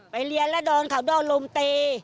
ไปเรียนแล้วโดนเขาโดดลุมตี